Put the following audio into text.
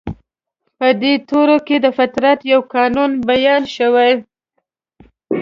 په دې تورو کې د فطرت يو قانون بيان شوی.